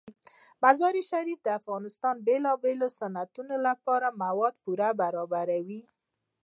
مزارشریف د افغانستان د بیلابیلو صنعتونو لپاره مواد پوره برابروي.